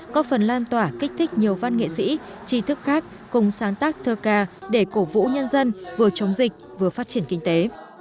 có phần lan tỏa kích thích nhiều văn nghệ sĩ chi thức khác cùng sáng tác thơ ca để cổ vũ nhân dân vừa chống dịch vừa phát triển kinh tế